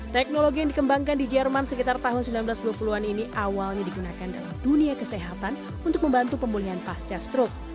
teknologi yang dikembangkan di jerman sekitar tahun seribu sembilan ratus dua puluh an ini awalnya digunakan dalam dunia kesehatan untuk membantu pemulihan pasca stroke